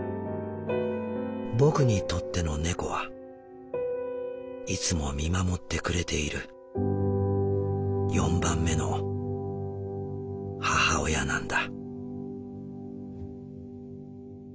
僕にとっての猫はいつも見守ってくれている４番目の母親なんだ」。